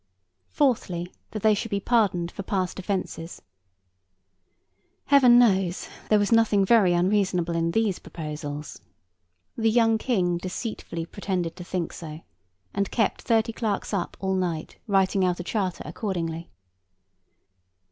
Fourthly, that they should be pardoned for past offences. Heaven knows, there was nothing very unreasonable in these proposals! The young King deceitfully pretended to think so, and kept thirty clerks up, all night, writing out a charter accordingly.